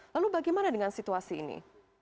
lalu bagaimana dengan situasi ini